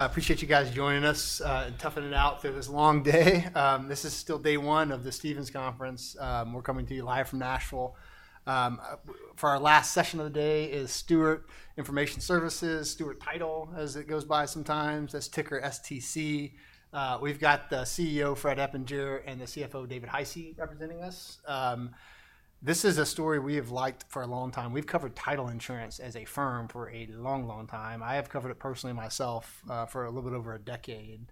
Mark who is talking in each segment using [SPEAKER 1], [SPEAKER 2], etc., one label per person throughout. [SPEAKER 1] Appreciate you guys joining us and toughing it out through this long day. This is still day one of the Stephens Conference. We're coming to you live from Nashville. For our last session of the day is Stewart Information Services, Stewart Title as it goes by sometimes, that's ticker STC. We've got the CEO, Fred Eppinger, and the CFO, David Hisey, representing us. This is a story we have liked for a long time. We've covered title insurance as a firm for a long, long time. I have covered it personally myself for a little bit over a decade.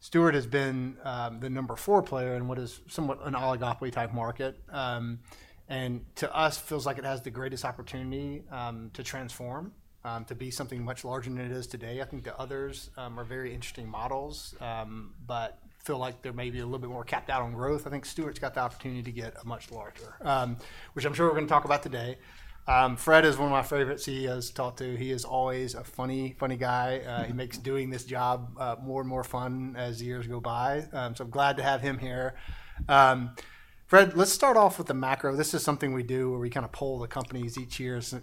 [SPEAKER 1] Stewart has been the number four player in what is somewhat an oligopoly type market. And to us, it feels like it has the greatest opportunity to transform, to be something much larger than it is today. I think the others are very interesting models, but feel like they're maybe a little bit more capped out on growth. I think Stewart's got the opportunity to get much larger, which I'm sure we're going to talk about today. Fred is one of my favorite CEOs to talk to. He is always a funny, funny guy. He makes doing this job more and more fun as the years go by. So I'm glad to have him here. Fred, let's start off with the macro. This is something we do where we kind of poll the companies each year. It's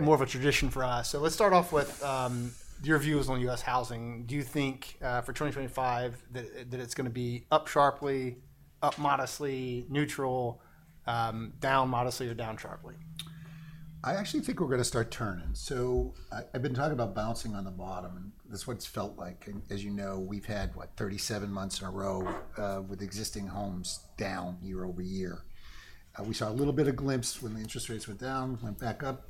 [SPEAKER 1] more of a tradition for us. So let's start off with your views on U.S. housing. Do you think for 2025 that it's going to be up sharply, up modestly, neutral, down modestly, or down sharply?
[SPEAKER 2] I actually think we're going to start turning. So I've been talking about bouncing on the bottom and that's what it's felt like. And as you know, we've had what, 37 months in a row with existing homes down year-over-year. We saw a little bit of glimpse when the interest rates went down, went back up.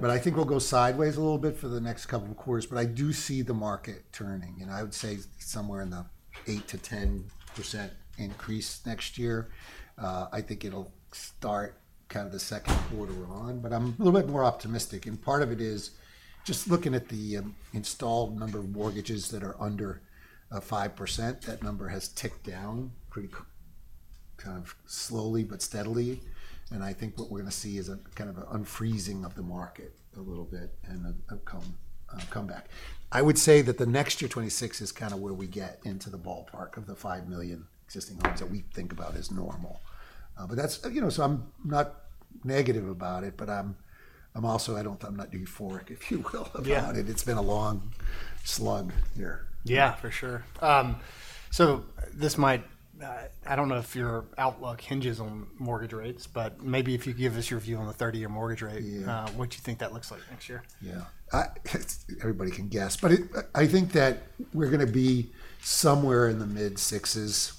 [SPEAKER 2] But I think we'll go sideways a little bit for the next couple of quarters. But I do see the market turning. And I would say somewhere in the 8%-10% increase next year. I think it'll start kind of the second quarter on. But I'm a little bit more optimistic. And part of it is just looking at the installed number of mortgages that are under 5%. That number has ticked down pretty kind of slowly but steadily. I think what we're going to see is a kind of an unfreezing of the market a little bit and a comeback. I would say that the next year, 2026, is kind of where we get into the ballpark of the five million existing homes that we think about as normal. That's, you know, so I'm not negative about it, but I'm also, I don't think I'm not euphoric, if you will, about it. It's been a long slug here.
[SPEAKER 1] Yeah, for sure. So this might, I don't know if your outlook hinges on mortgage rates, but maybe if you give us your view on the 30-year mortgage rate, what do you think that looks like next year?
[SPEAKER 2] Yeah, everybody can guess. But I think that we're going to be somewhere in the mid-sixes,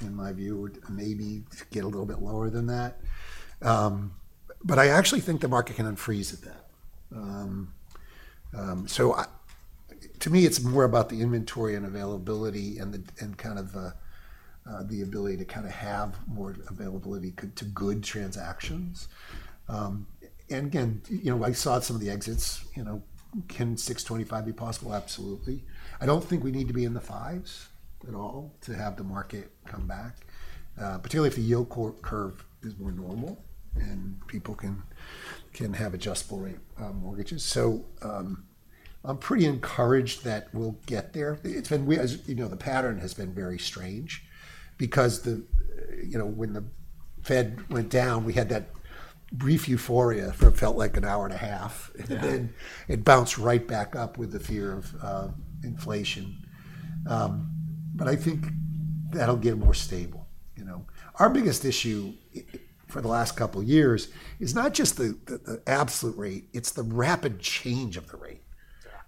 [SPEAKER 2] in my view, maybe get a little bit lower than that. But I actually think the market can unfreeze at that. So to me, it's more about the inventory and availability and kind of the ability to kind of have more availability to good transactions. And again, you know, I saw some of the exits. You know, can 6.25 be possible? Absolutely. I don't think we need to be in the fives at all to have the market come back, particularly if the yield curve is more normal and people can have adjustable rate mortgages. So I'm pretty encouraged that we'll get there. It's been, you know, the pattern has been very strange because the, you know, when the Fed went down, we had that brief euphoria for what felt like an hour and a half, and then it bounced right back up with the fear of inflation. But I think that'll get more stable. You know, our biggest issue for the last couple of years is not just the absolute rate, it's the rapid change of the rate,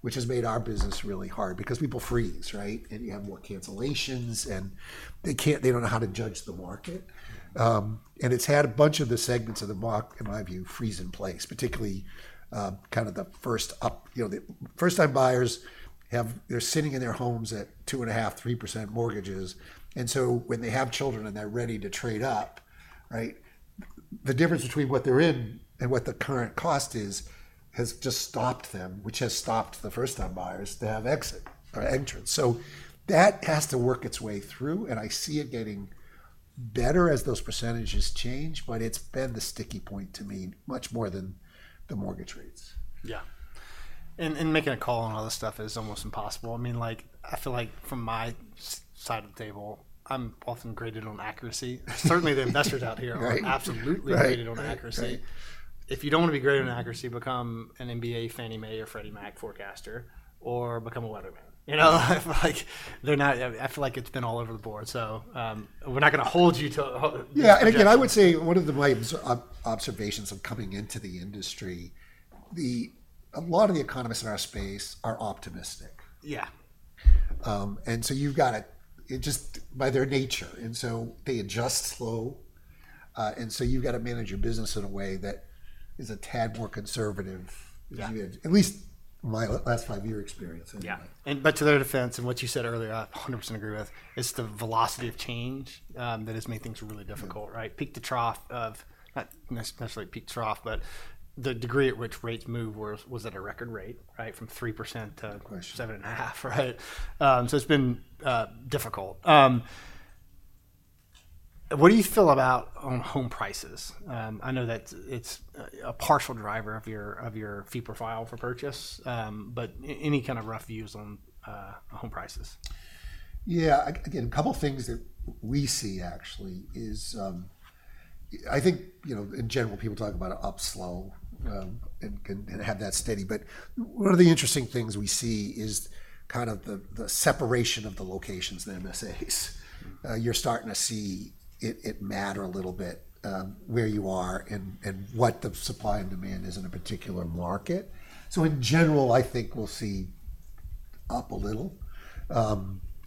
[SPEAKER 2] which has made our business really hard because people freeze, right? And you have more cancellations and they can't, they don't know how to judge the market. And it's had a bunch of the segments of the market, in my view, freeze in place, particularly the first-time buyers, you know, they're sitting in their homes at 2.5%-3% mortgages. And so when they have children and they're ready to trade up, right, the difference between what they're in and what the current cost is has just stopped them, which has stopped the first-time buyers to have exit or entrance. So that has to work its way through. And I see it getting better as those percentages change, but it's been the sticky point to me much more than the mortgage rates.
[SPEAKER 1] Yeah. And making a call on all this stuff is almost impossible. I mean, like, I feel like from my side of the table, I'm often graded on accuracy. Certainly the investors out here are absolutely graded on accuracy. If you don't want to be graded on accuracy, become an MBA Fannie Mae or Freddie Mac forecaster or become a weatherman. You know, like they're not, I feel like it's been all over the board. So we're not going to hold you to.
[SPEAKER 2] Yeah, and again, I would say one of my observations of coming into the industry, a lot of the economists in our space are optimistic.
[SPEAKER 1] Yeah.
[SPEAKER 2] And so you've got to just by their nature. And so they adjust slow. And so you've got to manage your business in a way that is a tad more conservative, at least my last five-year experience.
[SPEAKER 1] Yeah. And but to their defense and what you said earlier, I 100% agree with, it's the velocity of change that has made things really difficult, right? Peak to trough of not necessarily peak to trough, but the degree at which rates move was at a record rate, right, from 3%-7.5%, right? So it's been difficult. What do you feel about home prices? I know that it's a partial driver of your fee profile for purchase, but any kind of rough views on home prices?
[SPEAKER 2] Yeah. Again, a couple of things that we see actually is I think, you know, in general, people talk about up slowly and have that steady. But one of the interesting things we see is kind of the separation of the locations, the MSAs. You're starting to see it matter a little bit where you are and what the supply and demand is in a particular market. So in general, I think we'll see up a little.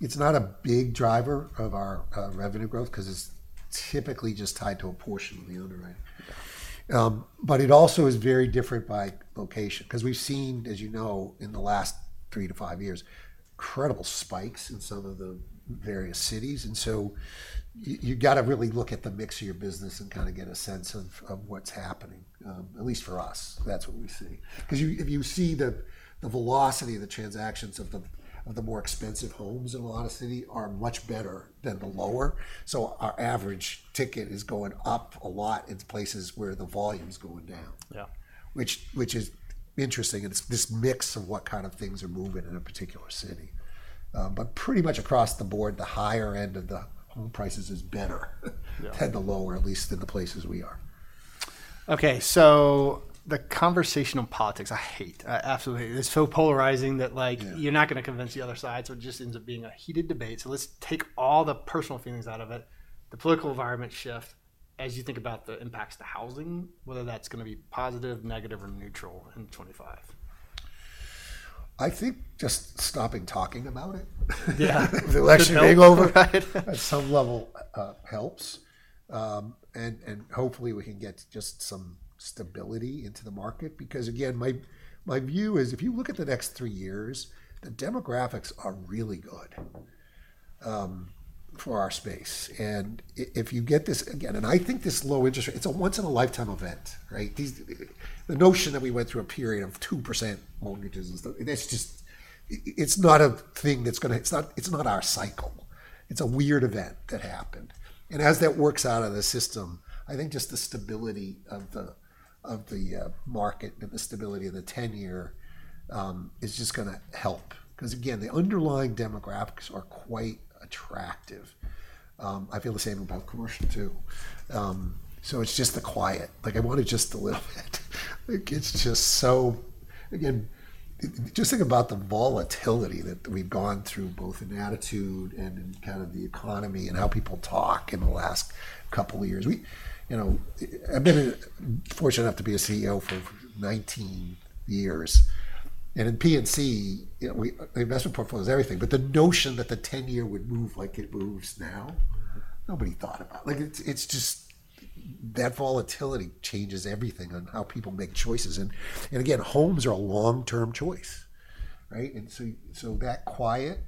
[SPEAKER 2] It's not a big driver of our revenue growth because it's typically just tied to a portion of the order. But it also is very different by location because we've seen, as you know, in the last three years-five years, incredible spikes in some of the various cities. So you've got to really look at the mix of your business and kind of get a sense of what's happening, at least for us. That's what we see. Because if you see the velocity of the transactions of the more expensive homes in a lot of cities are much better than the lower, so our average ticket is going up a lot in places where the volume is going down, which is interesting, and it's this mix of what kind of things are moving in a particular city, but pretty much across the board, the higher end of the home prices is better than the lower, at least in the places we are.
[SPEAKER 1] Okay. So the conversation on politics, I hate. I absolutely hate. It's so polarizing that like you're not going to convince the other side. So it just ends up being a heated debate. So let's take all the personal feelings out of it. The political environment shift as you think about the impacts to housing, whether that's going to be positive, negative, or neutral in 2025.
[SPEAKER 2] I think just stopping talking about it.
[SPEAKER 1] Yeah.
[SPEAKER 2] The election being over at some level helps. Hopefully we can get just some stability into the market because again, my view is if you look at the next three years, the demographics are really good for our space. If you get this again, and I think this low interest rate, it's a once in a lifetime event, right? The notion that we went through a period of 2% mortgages and stuff, that's just, it's not a thing that's going to, it's not our cycle. It's a weird event that happened. As that works out of the system, I think just the stability of the market and the stability of the 10-year is just going to help. Because again, the underlying demographics are quite attractive. I feel the same about commercial too. So it's just the quiet. Like I want it just a little bit. It's just so, again, just think about the volatility that we've gone through both in attitude and in kind of the economy and how people talk in the last couple of years. You know, I've been fortunate enough to be a CEO for 19 years, and in P&C, the investment portfolio is everything, but the notion that the 10-year would move like it moves now, nobody thought about it. Like it's just that volatility changes everything on how people make choices, and again, homes are a long-term choice, right? And so that quiet,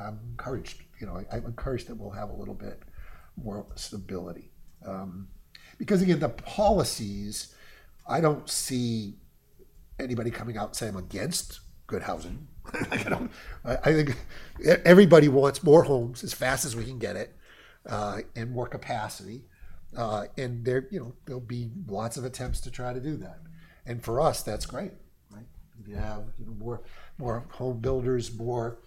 [SPEAKER 2] I'm encouraged. You know, I'm encouraged that we'll have a little bit more stability, because again, the policies, I don't see anybody coming out and saying I'm against good housing. I think everybody wants more homes as fast as we can get it and more capacity. And there, you know, there'll be lots of attempts to try to do that. And for us, that's great, right? If you have more home builders, more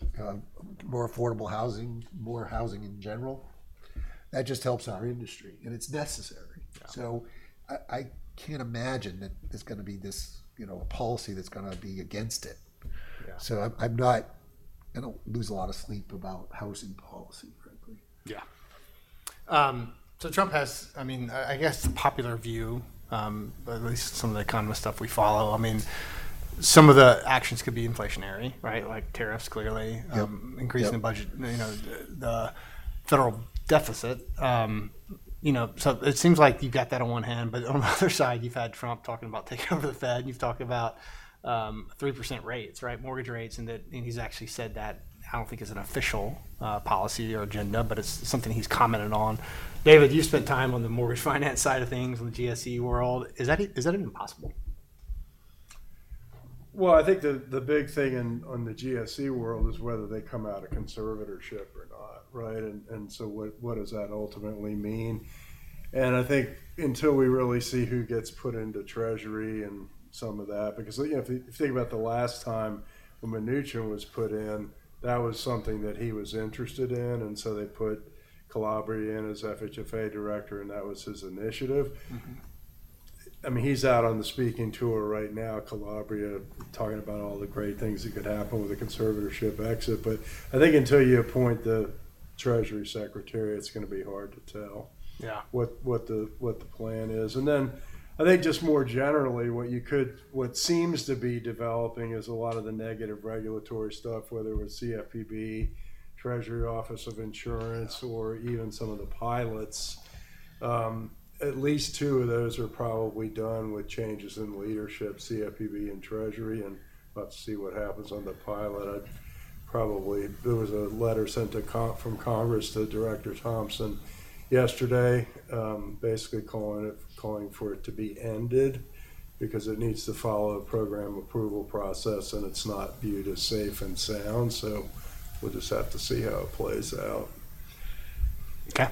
[SPEAKER 2] affordable housing, more housing in general, that just helps our industry and it's necessary. So I can't imagine that there's going to be this, you know, a policy that's going to be against it. So I'm not, I don't lose a lot of sleep about housing policy, frankly.
[SPEAKER 1] Yeah. So Trump has, I mean, I guess the popular view, at least some of the economist stuff we follow, I mean, some of the actions could be inflationary, right? Like tariffs clearly, increasing the budget, you know, the federal deficit. You know, so it seems like you've got that on one hand, but on the other side, you've had Trump talking about taking over the Fed. You've talked about 3% rates, right? Mortgage rates. And he's actually said that, I don't think it's an official policy or agenda, but it's something he's commented on. David, you spent time on the mortgage finance side of things in the GSE world. Is that even possible?
[SPEAKER 3] Well, I think the big thing on the GSE world is whether they come out of conservatorship or not, right? And so what does that ultimately mean? And I think until we really see who gets put into Treasury and some of that, because if you think about the last time when Mnuchin was put in, that was something that he was interested in. And so they put Calabria in as FHFA director and that was his initiative. I mean, he's out on the speaking tour right now, Calabria, talking about all the great things that could happen with the conservatorship exit. But I think until you appoint the Treasury Secretary, it's going to be hard to tell what the plan is. And then I think just more generally, what you could, what seems to be developing is a lot of the negative regulatory stuff, whether it was CFPB, Treasury Office of Insurance, or even some of the pilots. At least two of those are probably done with changes in leadership, CFPB and Treasury. And let's see what happens on the pilot. Probably there was a letter sent from Congress to Director Thompson yesterday, basically calling for it to be ended because it needs to follow a program approval process and it's not viewed as safe and sound. So we'll just have to see how it plays out.
[SPEAKER 1] Okay.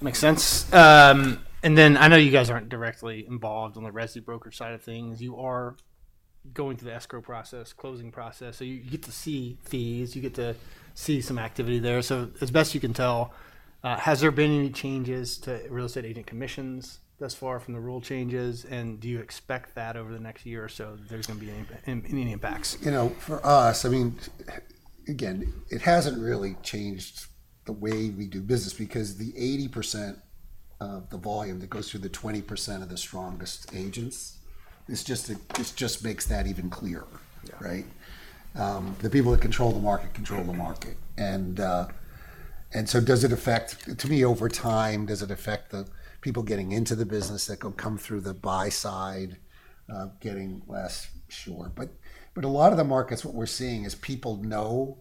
[SPEAKER 1] Makes sense. And then I know you guys aren't directly involved on the residential broker side of things. You are going through the escrow process, closing process. So you get to see fees, you get to see some activity there. So as best you can tell, has there been any changes to real estate agent commissions thus far from the rule changes? And do you expect that over the next year or so there's going to be any impacts?
[SPEAKER 2] You know, for us, I mean, again, it hasn't really changed the way we do business because the 80% of the volume that goes through the 20% of the strongest agents is just, it just makes that even clearer, right? The people that control the market control the market, and so does it affect, to me, over time, does it affect the people getting into the business that come through the buy side, getting less sure? But a lot of the markets, what we're seeing is people know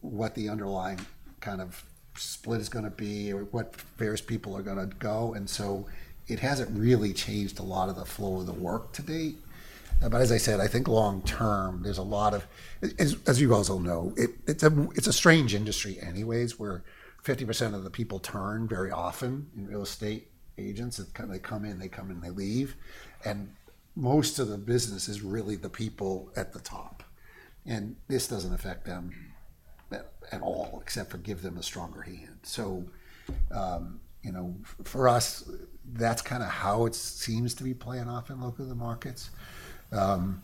[SPEAKER 2] what the underlying kind of split is going to be or what various people are going to go, and so it hasn't really changed a lot of the flow of the work to date. But as I said, I think long term, there's a lot of, as you also know, it's a strange industry anyways where 50% of the people turn very often in real estate agents. They come in, they come in, they leave. And most of the business is really the people at the top. And this doesn't affect them at all except for give them a stronger hand. So, you know, for us, that's kind of how it seems to be playing off in local markets. And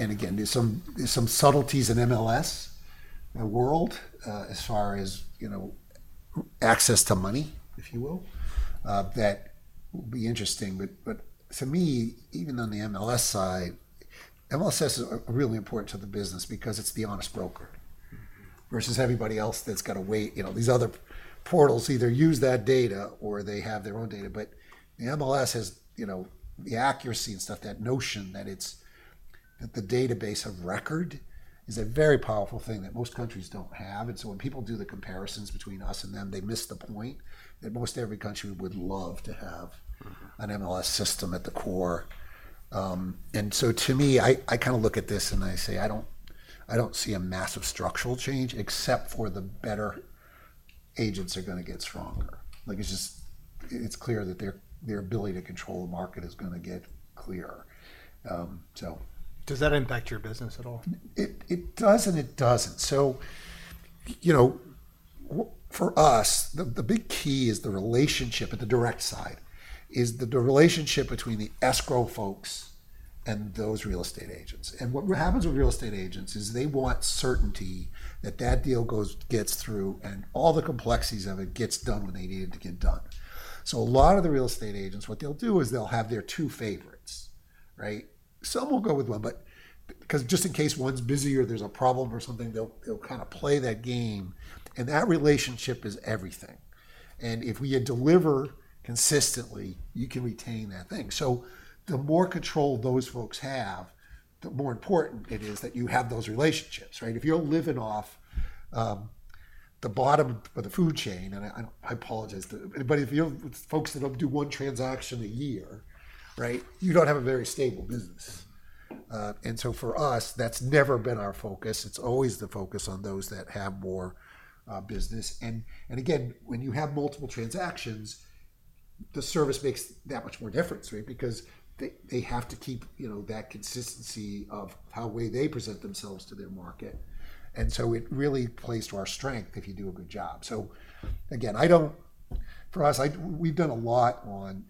[SPEAKER 2] again, there's some subtleties in MLS world as far as, you know, access to money, if you will, that will be interesting. But to me, even on the MLS side, MLS is really important to the business because it's the honest broker versus everybody else that's got to wait. You know, these other portals either use that data or they have their own data. But the MLS has, you know, the accuracy and stuff, that notion that it's the database of record is a very powerful thing that most countries don't have. And so when people do the comparisons between us and them, they miss the point that most every country would love to have an MLS system at the core. And so to me, I kind of look at this and I say, I don't see a massive structural change except for the better agents are going to get stronger. Like it's just, it's clear that their ability to control the market is going to get clearer.
[SPEAKER 1] Does that impact your business at all?
[SPEAKER 2] It does and it doesn't. So, you know, for us, the big key is the relationship at the direct side is the relationship between the escrow folks and those real estate agents. And what happens with real estate agents is they want certainty that that deal gets through and all the complexities of it gets done when they need it to get done. So a lot of the real estate agents, what they'll do is they'll have their two favorites, right? Some will go with one, but because just in case one's busy or there's a problem or something, they'll kind of play that game. And that relationship is everything. And if we deliver consistently, you can retain that thing. So the more control those folks have, the more important it is that you have those relationships, right? If you're living off the bottom of the food chain, and I apologize, but if you're folks that don't do one transaction a year, right, you don't have a very stable business. And so for us, that's never been our focus. It's always the focus on those that have more business. And again, when you have multiple transactions, the service makes that much more difference, right? Because they have to keep, you know, that consistency of the way they present themselves to their market. And so it really plays to our strength if you do a good job. So again, I don't, for us, we've done a lot on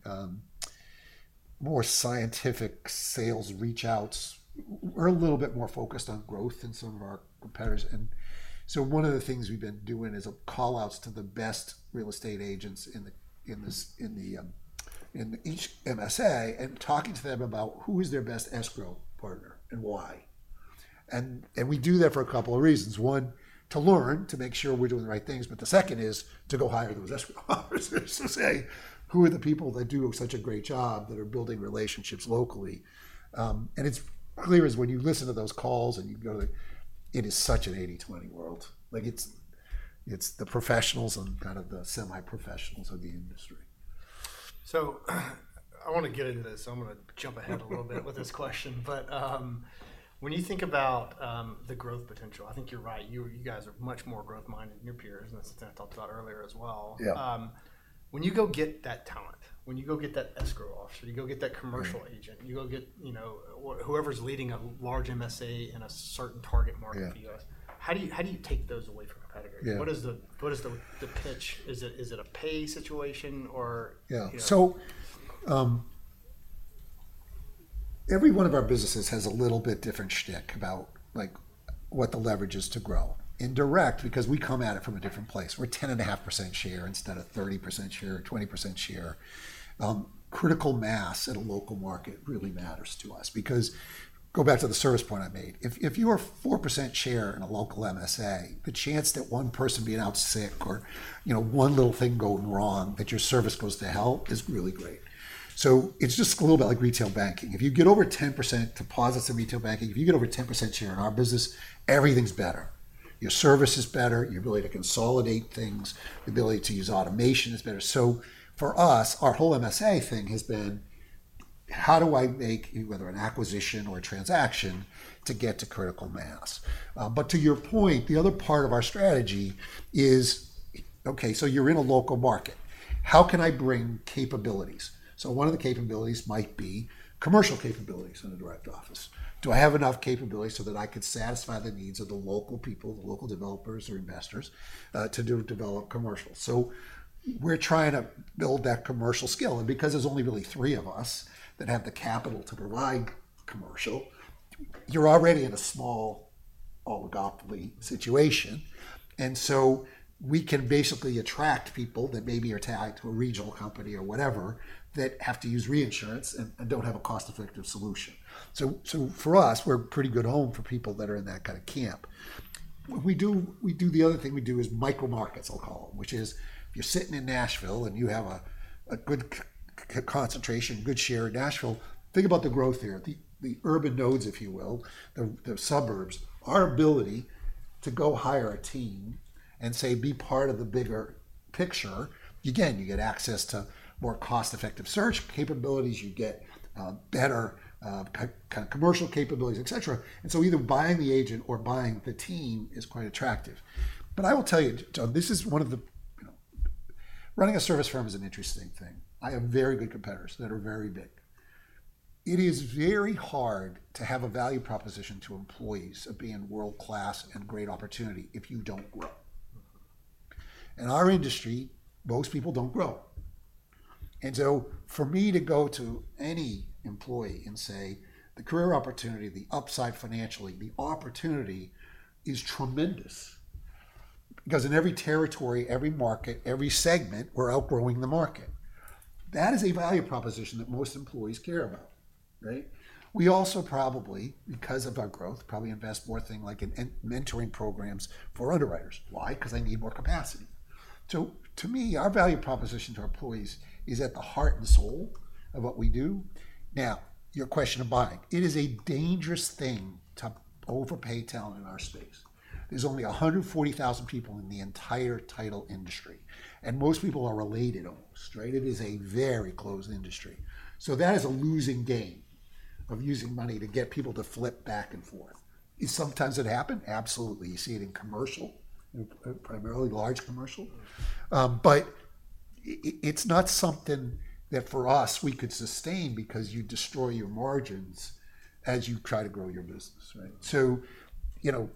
[SPEAKER 2] more scientific sales reach outs. We're a little bit more focused on growth than some of our competitors. And so one of the things we've been doing is call outs to the best real estate agents in each MSA and talking to them about who is their best escrow partner and why. And we do that for a couple of reasons. One, to learn to make sure we're doing the right things. But the second is to go hire those escrow officers to say, who are the people that do such a great job that are building relationships locally? And it's clear as when you listen to those calls and you go to the, it is such an 80/20 world. Like it's the professionals and kind of the semi-professionals of the industry.
[SPEAKER 1] So I want to get into this. I'm going to jump ahead a little bit with this question. But when you think about the growth potential, I think you're right. You guys are much more growth-minded than your peers. And that's something I talked about earlier as well. When you go get that talent, when you go get that escrow officer, you go get that commercial agent, you go get, you know, whoever's leading a large MSA in a certain target market for you, how do you take those away from a pedigree? What is the pitch? Is it a pay situation or?
[SPEAKER 2] Yeah. So every one of our businesses has a little bit different shtick about like what the leverage is to grow. In direct, because we come at it from a different place. We're 10.5% share instead of 30% share or 20% share. Critical mass at a local market really matters to us. Because go back to the service point I made. If you are 4% share in a local MSA, the chance that one person being out sick or, you know, one little thing going wrong that your service goes to hell is really great. So it's just a little bit like retail banking. If you get over 10% deposits in retail banking, if you get over 10% share in our business, everything's better. Your service is better. Your ability to consolidate things, the ability to use automation is better. So for us, our whole MSA thing has been, how do I make whether an acquisition or a transaction to get to critical mass? But to your point, the other part of our strategy is, okay, so you're in a local market. How can I bring capabilities? So one of the capabilities might be commercial capabilities in a direct office. Do I have enough capabilities so that I could satisfy the needs of the local people, the local developers or investors to develop commercial? So we're trying to build that commercial skill. And because there's only really three of us that have the capital to provide commercial, you're already in a small oligopoly situation. And so we can basically attract people that may be attached to a regional company or whatever that have to use reinsurance and don't have a cost-effective solution. So for us, we're a pretty good home for people that are in that kind of camp. What we do, we do the other thing we do is micro markets, I'll call them, which is if you're sitting in Nashville and you have a good concentration, good share of Nashville, think about the growth there, the urban nodes, if you will, the suburbs. Our ability to go hire a team and say, be part of the bigger picture. Again, you get access to more cost-effective search capabilities, you get better kind of commercial capabilities, et cetera. And so either buying the agent or buying the team is quite attractive. But I will tell you, John, this is one of the, running a service firm is an interesting thing. I have very good competitors that are very big. It is very hard to have a value proposition to employees of being world-class and great opportunity if you don't grow. And our industry, most people don't grow. And so for me to go to any employee and say, the career opportunity, the upside financially, the opportunity is tremendous. Because in every territory, every market, every segment, we're outgrowing the market. That is a value proposition that most employees care about, right? We also probably, because of our growth, probably invest more things like in mentoring programs for underwriters. Why? Because they need more capacity. So to me, our value proposition to our employees is at the heart and soul of what we do. Now, your question of buying, it is a dangerous thing to overpay talent in our space. There's only 140,000 people in the entire title industry. And most people are related, almost, right? It is a very closed industry. So that is a losing game of using money to get people to flip back and forth. Sometimes it happened? Absolutely. You see it in commercial, primarily large commercial. But it's not something that for us, we could sustain because you destroy your margins as you try to grow your business, right? So, you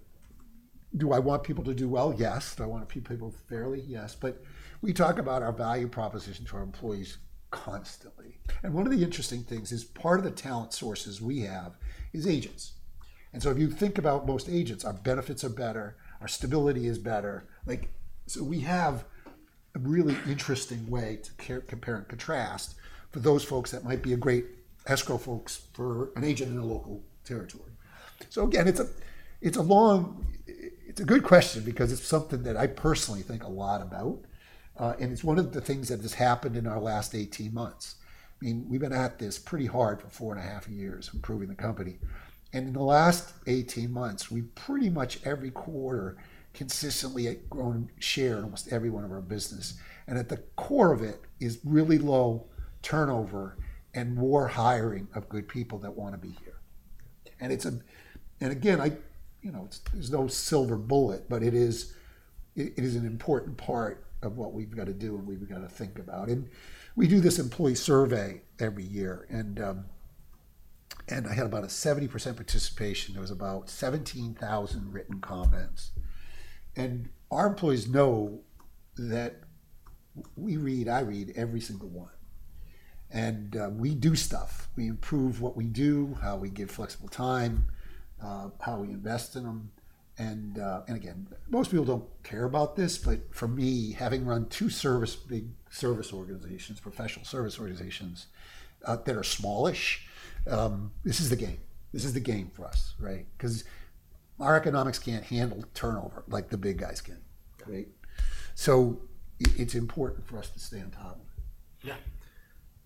[SPEAKER 2] know, do I want people to do well? Yes. Do I want a few people fairly? Yes. But we talk about our value proposition to our employees constantly. And one of the interesting things is part of the talent sources we have is agents. And so if you think about most agents, our benefits are better, our stability is better. Like so we have a really interesting way to compare and contrast for those folks that might be a great escrow folks for an agent in a local territory. So again, it's a long, it's a good question because it's something that I personally think a lot about. And it's one of the things that has happened in our last 18 months. I mean, we've been at this pretty hard for four and a half years improving the company. And in the last 18 months, we've pretty much every quarter consistently grown share in almost every one of our business. And at the core of it is really low turnover and more hiring of good people that want to be here. And it's, and again, I, you know, there's no silver bullet, but it is an important part of what we've got to do and we've got to think about. And we do this employee survey every year. And I had about a 70% participation. There was about 17,000 written comments. Our employees know that we read, I read every single one. We do stuff. We improve what we do, how we give flexible time, how we invest in them. Again, most people don't care about this, but for me, having run two service big service organizations, professional service organizations that are smallish, this is the game. This is the game for us, right? Because our economics can't handle turnover like the big guys can. So it's important for us to stay on top of it.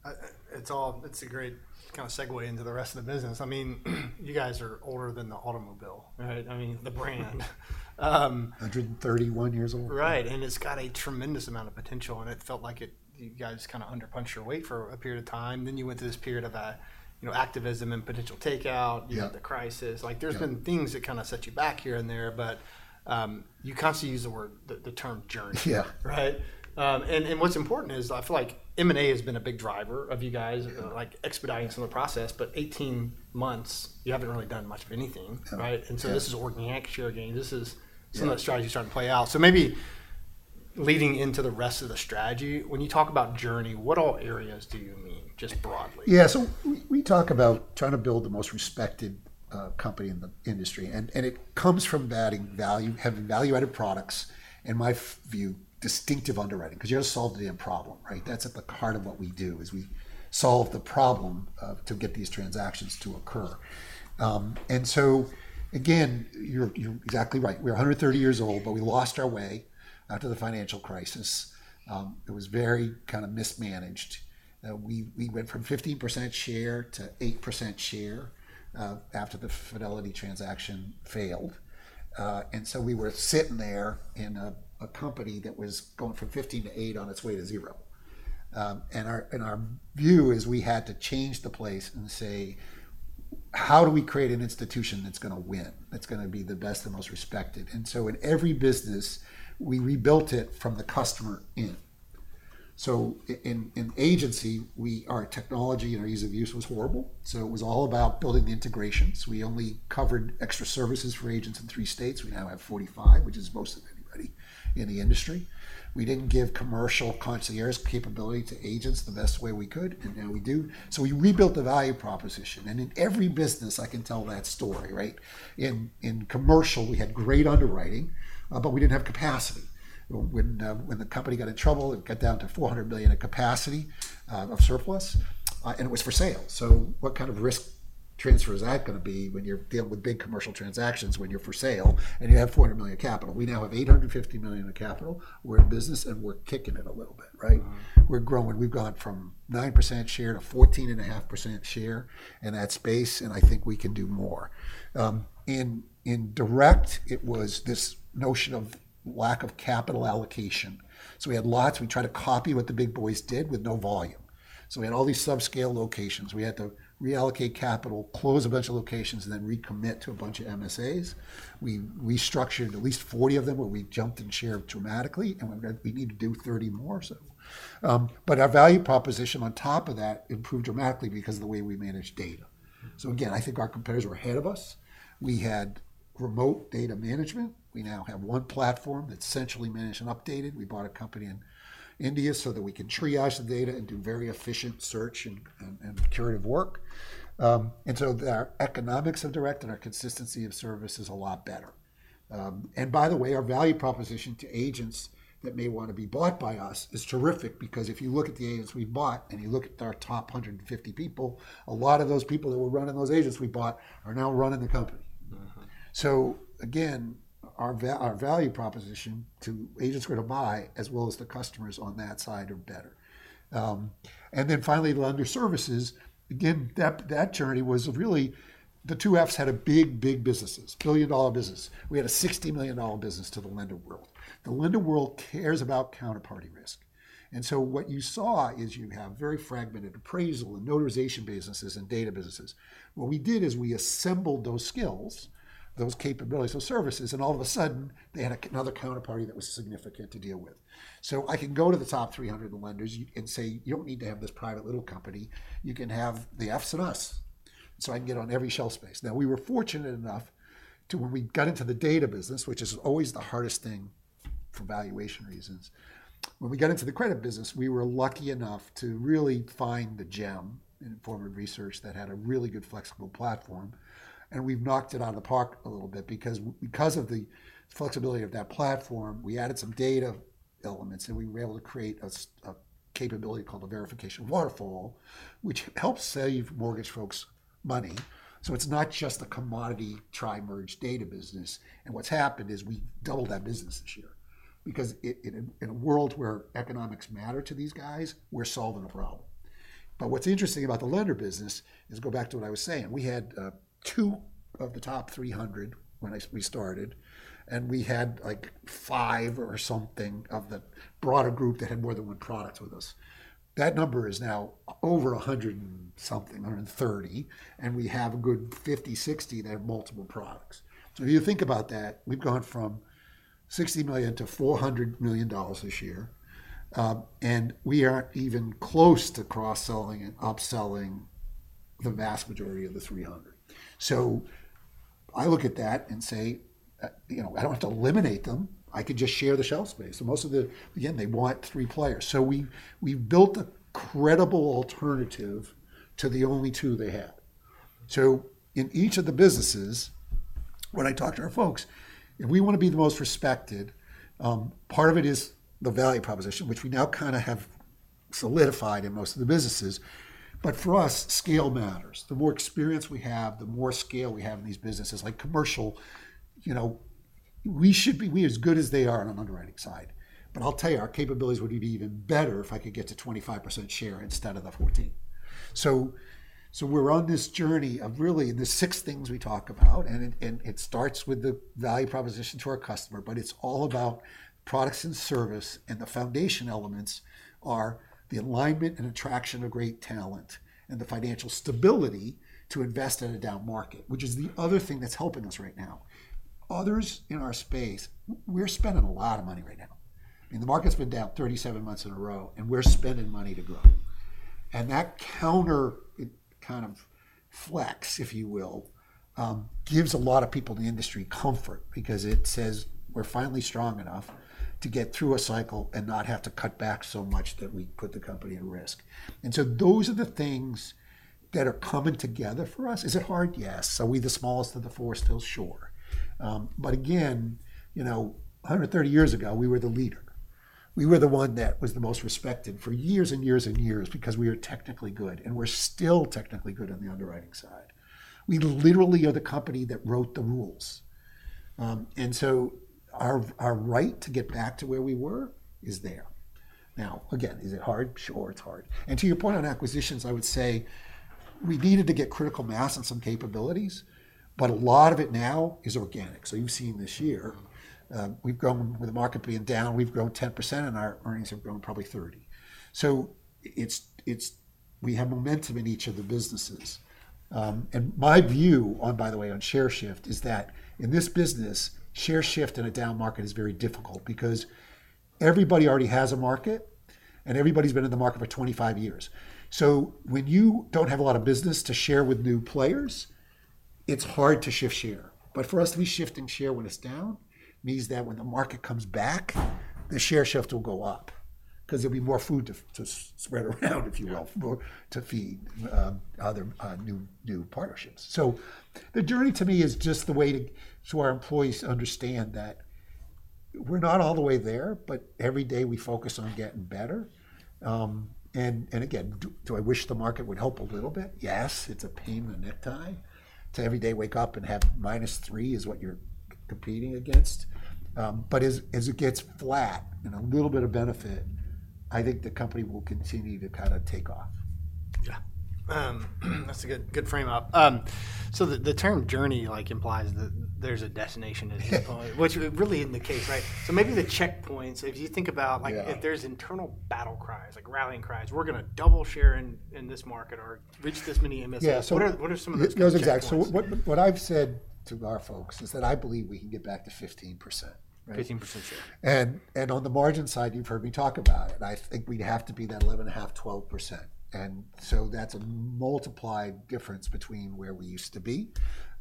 [SPEAKER 1] Yeah. It's all, it's a great kind of segue into the rest of the business. I mean, you guys are older than the automobile, right? I mean, the brand.
[SPEAKER 2] 131 years old.
[SPEAKER 1] Right. And it's got a tremendous amount of potential. And it felt like you guys kind of underpunched your weight for a period of time. Then you went to this period of, you know, activism and potential takeout. You had the crisis. Like there's been things that kind of set you back here and there, but you constantly use the word, the term journey, right? And what's important is I feel like M&A has been a big driver of you guys, like expediting some of the process, but 18 months, you haven't really done much of anything, right? And so this is organic share game. This is some of the strategies starting to play out. So maybe leading into the rest of the strategy, when you talk about journey, what all areas do you mean just broadly?
[SPEAKER 2] Yeah. So we talk about trying to build the most respected company in the industry. And it comes from having value-added products and, in my view, distinctive underwriting, because you have to solve the damn problem, right? That's at the heart of what we do. We solve the problem to get these transactions to occur. And so again, you're exactly right. We're 130 years old, but we lost our way after the financial crisis. It was very kind of mismanaged. We went from 15% share to 8% share after the Fidelity transaction failed. And so we were sitting there in a company that was going from 15%-8% on its way to 0%. And our view is we had to change the place and say, how do we create an institution that's going to win, that's going to be the best and most respected? And so in every business, we rebuilt it from the customer in. So in agency, our technology and our ease of use was horrible. So it was all about building the integrations. We only covered extra services for agents in three states. We now have 45, which is most of anybody in the industry. We didn't give commercial concierge capability to agents the best way we could. And now we do. So we rebuilt the value proposition. And in every business, I can tell that story, right? In commercial, we had great underwriting, but we didn't have capacity. When the company got in trouble, it got down to $400 million of capacity of surplus. And it was for sale. So what kind of risk transfer is that going to be when you're dealing with big commercial transactions when you're for sale and you have $400 million capital? We now have $850 million of capital. We're in business and we're kicking it a little bit, right? We're growing. We've gone from 9% share to 14.5% share in that space. And I think we can do more. In direct, it was this notion of lack of capital allocation. So we had lots. We tried to copy what the big boys did with no volume. So we had all these subscale locations. We had to reallocate capital, close a bunch of locations, and then recommit to a bunch of MSAs. We restructured at least 40 of them where we jumped in share dramatically. And we need to do 30 more. But our value proposition on top of that improved dramatically because of the way we managed data. So again, I think our competitors were ahead of us. We had remote data management. We now have one platform that's centrally managed and updated. We bought a company in India so that we can triage the data and do very efficient search and curative work. And so our economics of direct and our consistency of service is a lot better. And by the way, our value proposition to agents that may want to be bought by us is terrific because if you look at the agents we've bought and you look at our top 150 people, a lot of those people that were running those agents we bought are now running the company. So again, our value proposition to agents who are to buy as well as the customers on that side are better. And then finally, the lender services, again, that journey was really the two F's had a big, big businesses, billion-dollar business. We had a $60 million business to the lender world. The lender world cares about counterparty risk, and so what you saw is you have very fragmented appraisal and notarization businesses and data businesses. What we did is we assembled those skills, those capabilities, those services, and all of a sudden, they had another counterparty that was significant to deal with, so I can go to the top 300 lenders and say, you don't need to have this private little company. You can have the F's and us, so I can get on every shelf space. Now, we were fortunate enough to, when we got into the data business, which is always the hardest thing for valuation reasons, when we got into the credit business, we were lucky enough to really find the gem in form of Informative Research that had a really good flexible platform. And we've knocked it out of the park a little bit because of the flexibility of that platform. We added some data elements and we were able to create a capability called a Verification Waterfall, which helps save mortgage folks money. So it's not just a commodity tri-merge data business. And what's happened is we doubled that business this year. Because in a world where economics matter to these guys, we're solving a problem. But what's interesting about the lender business is go back to what I was saying. We had two of the top 300 when we started. And we had like five or something of the broader group that had more than one product with us. That number is now over 100 and something, 130. And we have a good 50, 60 that have multiple products. So if you think about that, we've gone from $60 million-$400 million this year. And we aren't even close to cross-selling and upselling the vast majority of the 300. So I look at that and say, you know, I don't have to eliminate them. I can just share the shelf space. So most of the, again, they want three players. So we built a credible alternative to the only two they had. So in each of the businesses, when I talk to our folks, if we want to be the most respected, part of it is the value proposition, which we now kind of have solidified in most of the businesses. But for us, scale matters. The more experience we have, the more scale we have in these businesses, like commercial, you know, we should be as good as they are on an underwriting side. But I'll tell you, our capabilities would be even better if I could get to 25% share instead of the 14%. So we're on this journey of really the six things we talk about. And it starts with the value proposition to our customer, but it's all about products and service. And the foundation elements are the alignment and attraction of great talent and the financial stability to invest in a down market, which is the other thing that's helping us right now. Others in our space, we're spending a lot of money right now. I mean, the market's been down 37 months in a row and we're spending money to grow. And that counter kind of flex, if you will, gives a lot of people in the industry comfort because it says we're finally strong enough to get through a cycle and not have to cut back so much that we put the company at risk. And so those are the things that are coming together for us. Is it hard? Yes. Are we the smallest of the four? Still, sure. But again, you know, 130 years ago, we were the leader. We were the one that was the most respected for years and years and years because we were technically good. And we're still technically good on the underwriting side. We literally are the company that wrote the rules. And so our right to get back to where we were is there. Now, again, is it hard? Sure, it's hard. And to your point on acquisitions, I would say we needed to get critical mass and some capabilities, but a lot of it now is organic. So you've seen this year, we've grown with the market being down. We've grown 10% and our earnings have grown probably 30%. So we have momentum in each of the businesses. And my view on, by the way, on share shift is that in this business, share shift in a down market is very difficult because everybody already has a market and everybody's been in the market for 25 years. So when you don't have a lot of business to share with new players, it's hard to shift share. But for us to be shifting share when it's down means that when the market comes back, the share shift will go up because there'll be more food to spread around, if you will, to feed other new partnerships. So the journey to me is just the way to show our employees to understand that we're not all the way there, but every day we focus on getting better. And again, do I wish the market would help a little bit? Yes. It's a pain in the neck to every day wake up and have minus three is what you're competing against. But as it gets flat and a little bit of benefit, I think the company will continue to kind of take off.
[SPEAKER 1] Yeah. That's a good frame up. So the term journey like implies that there's a destination at this point, which really in the case, right? So maybe the checkpoints, if you think about like if there's internal battle cries, like rallying cries, we're going to double share in this market or reach this many MSAs. What are some of the.
[SPEAKER 2] It goes exactly. So what I've said to our folks is that I believe we can get back to 15%.
[SPEAKER 1] 15% share.
[SPEAKER 2] On the margin side, you've heard me talk about it. I think we'd have to be that 11.5%-12%. So that's a multiplied difference between where we used to be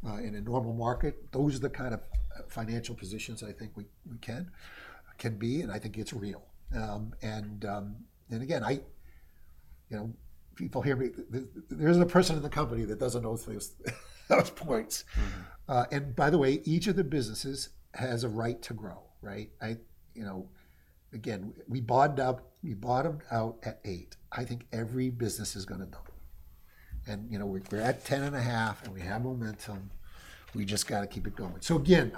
[SPEAKER 2] in a normal market. Those are the kind of financial positions I think we can be. I think it's real. Again, you know, people hear me, there's a person in the company that doesn't know those points. By the way, each of the businesses has a right to grow, right? You know, again, we bottomed out at eight. I think every business is going to double. You know, we're at 10.5% and we have momentum. We just got to keep it going. Again,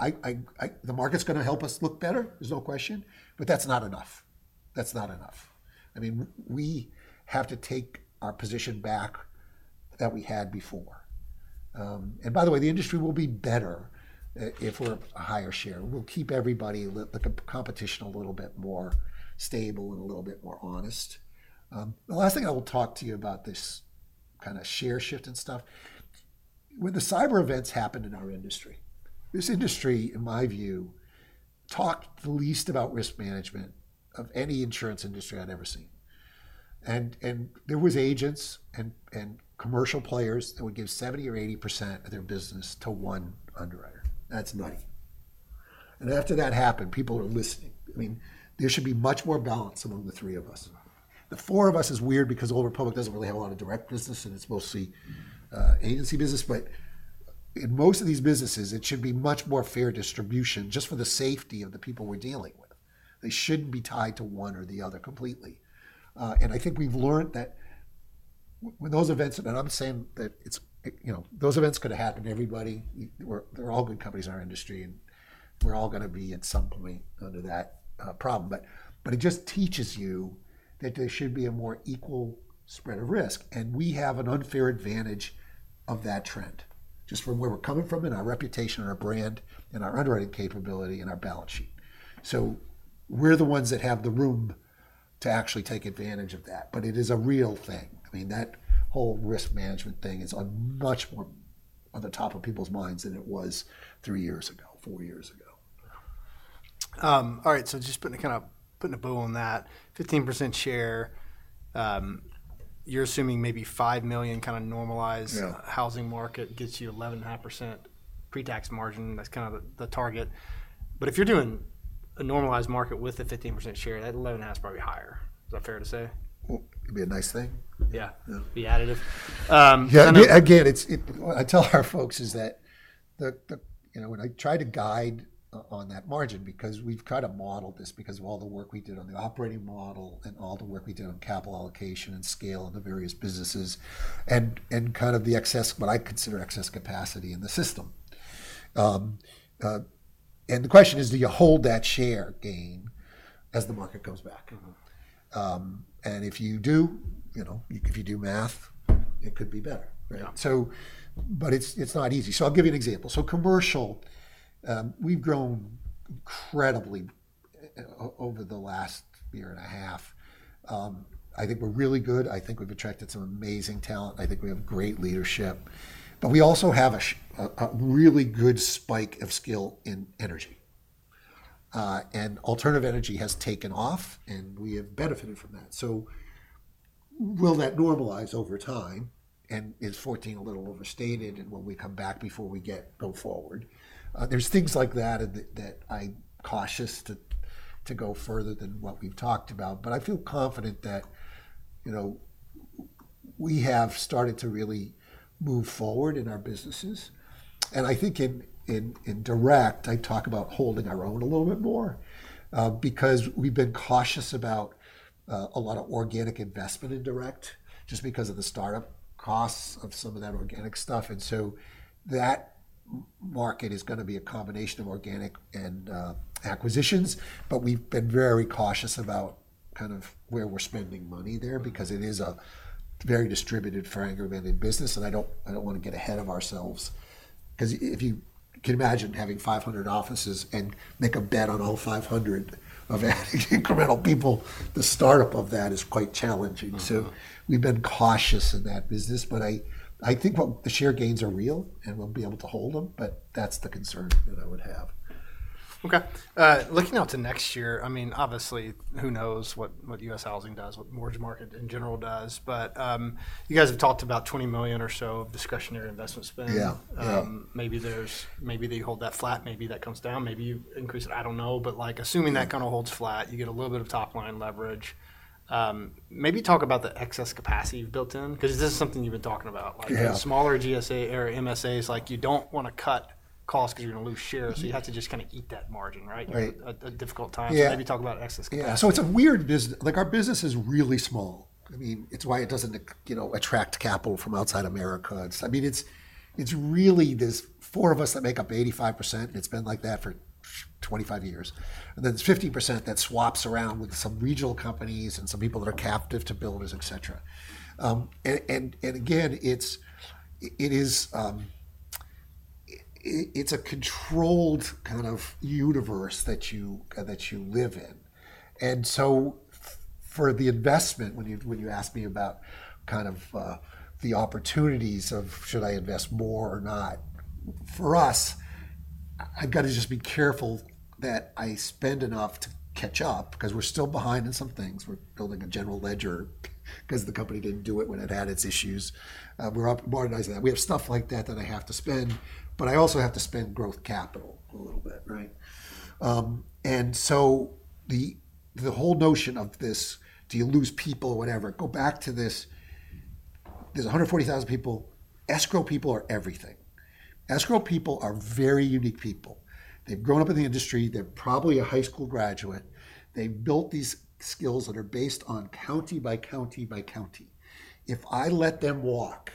[SPEAKER 2] the market's going to help us look better. There's no question. But that's not enough. That's not enough. I mean, we have to take our position back that we had before. And by the way, the industry will be better if we're a higher share. We'll keep everybody, the competition a little bit more stable and a little bit more honest. The last thing I will talk to you about this kind of share shift and stuff, when the cyber events happened in our industry, this industry, in my view, talked the least about risk management of any insurance industry I've ever seen. And there were agents and commercial players that would give 70% or 80% of their business to one underwriter. That's nutty. And after that happened, people are listening. I mean, there should be much more balance among the three of us. The four of us is weird because Old Republic doesn't really have a lot of direct business and it's mostly agency business. But in most of these businesses, it should be much more fair distribution just for the safety of the people we're dealing with. They shouldn't be tied to one or the other completely. And I think we've learned that when those events, and I'm saying that it's, you know, those events could have happened to everybody. They're all good companies in our industry and we're all going to be at some point under that problem. But it just teaches you that there should be a more equal spread of risk. And we have an unfair advantage of that trend just from where we're coming from and our reputation and our brand and our underwriting capability and our balance sheet. So we're the ones that have the room to actually take advantage of that. But it is a real thing. I mean, that whole risk management thing is much more on the top of people's minds than it was three years ago, four years ago.
[SPEAKER 1] All right. So just putting a kind of bow on that, 15% share, you're assuming maybe 5 million kind of normalized housing market gets you 11.5% pre-tax margin. That's kind of the target. But if you're doing a normalized market with a 15% share, that 11.5% is probably higher. Is that fair to say?
[SPEAKER 2] It'd be a nice thing.
[SPEAKER 1] Yeah. The additive.
[SPEAKER 2] Yeah. Again, I tell our folks is that, you know, when I try to guide on that margin because we've kind of modeled this because of all the work we did on the operating model and all the work we did on capital allocation and scale in the various businesses and kind of the excess, what I consider excess capacity in the system. And the question is, do you hold that share gain as the market comes back? And if you do, you know, if you do math, it could be better. So but it's not easy. So I'll give you an example. So commercial, we've grown incredibly over the last year and a half. I think we're really good. I think we've attracted some amazing talent. I think we have great leadership. But we also have a really good spike of skill in energy. Alternative energy has taken off and we have benefited from that. Will that normalize over time? Is 14 a little overstated? Will we come back before we go forward? There are things like that that I'm cautious to go further than what we've talked about. I feel confident that, you know, we have started to really move forward in our businesses. I think in direct, I talk about holding our own a little bit more because we've been cautious about a lot of organic investment in direct just because of the startup costs of some of that organic stuff. That market is going to be a combination of organic and acquisitions. We've been very cautious about kind of where we're spending money there because it is a very distributed fragmented business. And I don't want to get ahead of ourselves because if you can imagine having 500 offices and make a bet on all 500 of adding incremental people, the startup of that is quite challenging. So we've been cautious in that business. But I think the share gains are real and we'll be able to hold them. But that's the concern that I would have.
[SPEAKER 1] Okay. Looking out to next year, I mean, obviously, who knows what U.S. housing does, what the mortgage market in general does. But you guys have talked about $20 million or so of discretionary investment spend. Maybe they hold that flat. Maybe that comes down. Maybe you increase it. I don't know. But like assuming that kind of holds flat, you get a little bit of top line leverage. Maybe talk about the excess capacity you've built in because this is something you've been talking about. Like smaller MSAs, like you don't want to cut costs because you're going to lose shares. So you have to just kind of eat that margin, right? A difficult time. So maybe talk about excess capacity.
[SPEAKER 2] Yeah. So it's a weird business. Like our business is really small. I mean, it's why it doesn't, you know, attract capital from outside America. I mean, it's really there's four of us that make up 85% and it's been like that for 25 years. And then there's 15% that swaps around with some regional companies and some people that are captive to builders, etc. And again, it's a controlled kind of universe that you live in. And so for the investment, when you ask me about kind of the opportunities of should I invest more or not, for us, I've got to just be careful that I spend enough to catch up because we're still behind in some things. We're building a general ledger because the company didn't do it when it had its issues. We're modernizing that. We have stuff like that that I have to spend. But I also have to spend growth capital a little bit, right? And so the whole notion of this, do you lose people or whatever, go back to this, there's 140,000 people. Escrow people are everything. Escrow people are very unique people. They've grown up in the industry. They're probably a high school graduate. They've built these skills that are based on county by county by county. If I let them walk,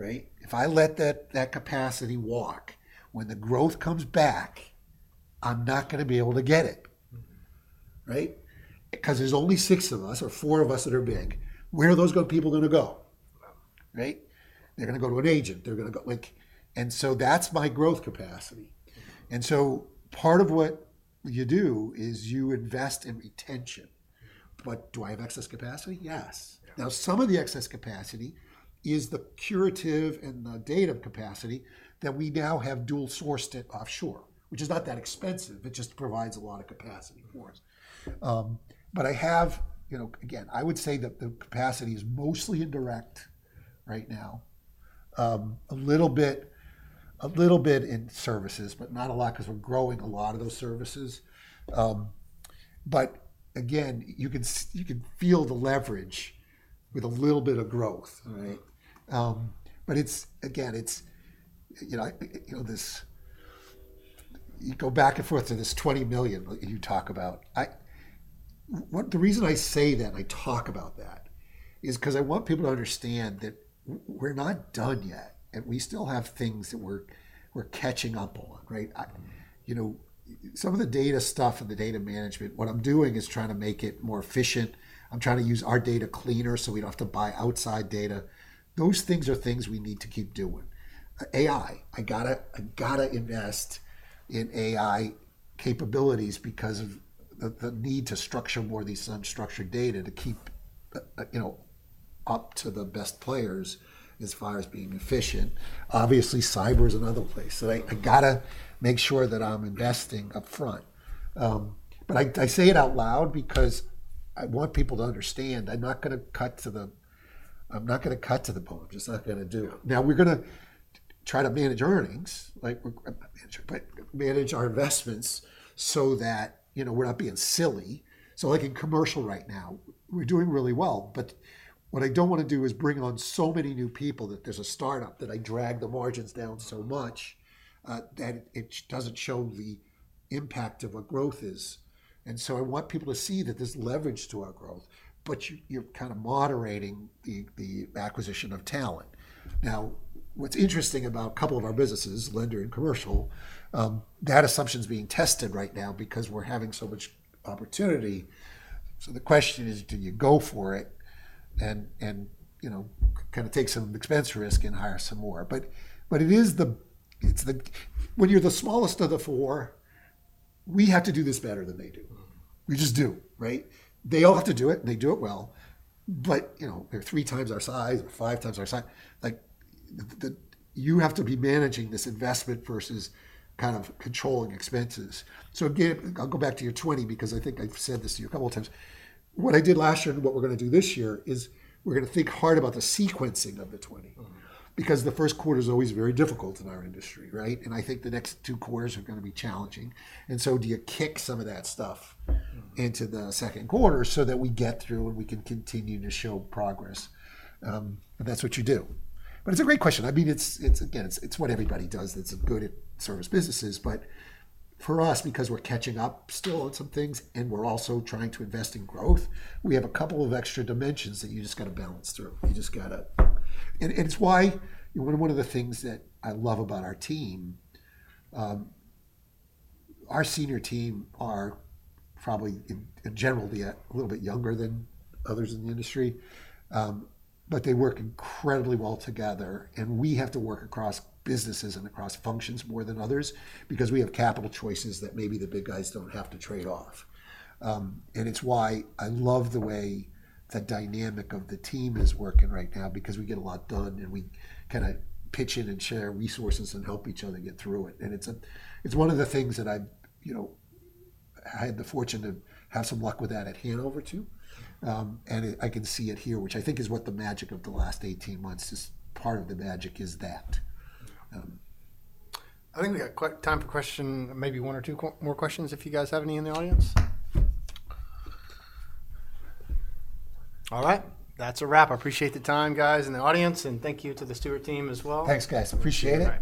[SPEAKER 2] right? If I let that capacity walk, when the growth comes back, I'm not going to be able to get it, right? Because there's only six of us or four of us that are big. Where are those people going to go? Right? They're going to go to an agent. They're going to go like, and so that's my growth capacity. And so part of what you do is you invest in retention. But do I have excess capacity? Yes. Now, some of the excess capacity is the curative and the data capacity that we now have dual-sourced it offshore, which is not that expensive. It just provides a lot of capacity for us. But I have, you know, again, I would say that the capacity is mostly in direct right now, a little bit in services, but not a lot because we're growing a lot of those services. But again, you can feel the leverage with a little bit of growth, right? But it's, again, it's, you know, this, you go back and forth to this $20 million you talk about. The reason I say that, I talk about that is because I want people to understand that we're not done yet and we still have things that we're catching up on, right? You know, some of the data stuff and the data management, what I'm doing is trying to make it more efficient. I'm trying to use our data cleaner so we don't have to buy outside data. Those things are things we need to keep doing. AI, I got to invest in AI capabilities because of the need to structure more of these unstructured data to keep, you know, up to the best players as far as being efficient. Obviously, cyber is another place. So I got to make sure that I'm investing upfront. But I say it out loud because I want people to understand I'm not going to cut to the, I'm not going to cut to the bone. Just not going to do it. Now we're going to try to manage earnings, like manage our investments so that, you know, we're not being silly. So like in commercial right now, we're doing really well. But what I don't want to do is bring on so many new people that there's a startup that I drag the margins down so much that it doesn't show the impact of what growth is. And so I want people to see that there's leverage to our growth, but you're kind of moderating the acquisition of talent. Now, what's interesting about a couple of our businesses, Lender and Commercial, that assumption is being tested right now because we're having so much opportunity. So the question is, do you go for it and, you know, kind of take some expense risk and hire some more? But it is the, it's the, when you're the smallest of the four, we have to do this better than they do. We just do, right? They all have to do it and they do it well, but you know, they're 3x our size or 5x our size. Like you have to be managing this investment versus kind of controlling expenses, so again, I'll go back to your 20 because I think I've said this to you a couple of times. What I did last year and what we're going to do this year is we're going to think hard about the sequencing of the 20 because the first quarter is always very difficult in our industry, right, and I think the next two quarters are going to be challenging, and so do you kick some of that stuff into the second quarter so that we get through and we can continue to show progress? And that's what you do, but it's a great question. I mean, it's, again, it's what everybody does that's good at service businesses. But for us, because we're catching up still on some things and we're also trying to invest in growth, we have a couple of extra dimensions that you just got to balance through. You just got to, and it's why one of the things that I love about our team, our senior team are probably in general a little bit younger than others in the industry, they work incredibly well together, and we have to work across businesses and across functions more than others because we have capital choices that maybe the big guys don't have to trade off. And it's why I love the way the dynamic of the team is working right now because we get a lot done and we kind of pitch in and share resources and help each other get through it. And it's one of the things that I, you know, had the fortune to have some luck with that at Hanover too. And I can see it here, which I think is what the magic of the last 18 months, just part of the magic is that.
[SPEAKER 1] I think we've got quite some time for questions, maybe one or two more questions if you guys have any in the audience. All right. That's a wrap. I appreciate the time, guys, and the audience. Thank you to the Stewart team as well.
[SPEAKER 2] Thanks, guys. Appreciate it.